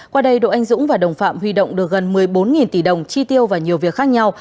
qua đây đỗ anh dũng và đồng phạm huy động được gần một mươi bốn tỷ đồng chi tiêu và nhiều việc khác nhau